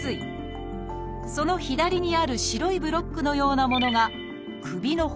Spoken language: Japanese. その左にある白いブロックのようなものが首の骨。